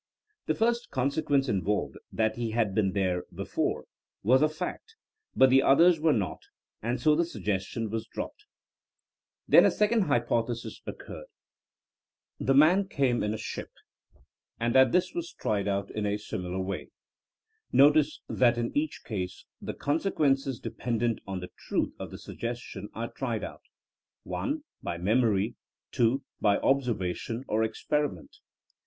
The first consequence involved — ^that he had been there before — ^was a fact, but the others were not, and so the suggestion was dropped. Then a second hypothesis occurred THINEINa AS A SOIENOE 29 — ^the man came in a ship*' — and this was tried out in a similar way. Notice that in each case the consequences dependent on the truth of the suggestion are tried out (1) by memory, (2) by observation or experiment.